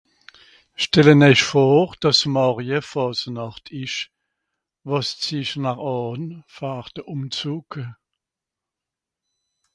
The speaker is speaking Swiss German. stellen eich vor dàss mòrje Faasenàcht isch wàs ziech nà àn var de Umzug